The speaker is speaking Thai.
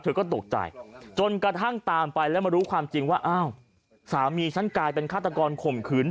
เธอก็ตกใจจนกระทั่งตามไปแล้วมารู้ความจริงว่าอ้าวสามีฉันกลายเป็นฆาตกรข่มขืน